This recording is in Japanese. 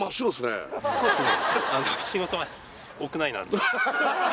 そうですね